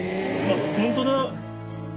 本当だ。